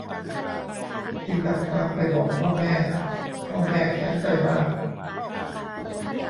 จึงนำความไปบอกพ่อแม่ พ่อแม่แค้นใจมาก